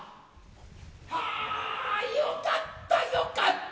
はあよかったよかった。